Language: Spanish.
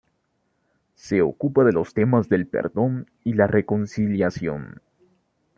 Se ocupa de los temas del perdón y la reconciliación.